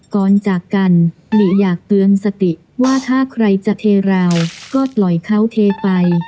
ก่อนจากกันหลีอยากเตือนสติว่าถ้าใครจะเทราวก็ปล่อยเขาเทไป